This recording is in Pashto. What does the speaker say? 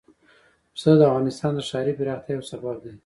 پسه د افغانستان د ښاري پراختیا یو سبب دی.